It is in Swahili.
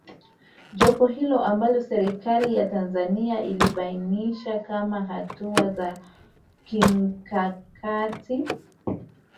Jopo hilo ambalo Serikali ya Tanzania ilibainisha kama hatua za kimkakati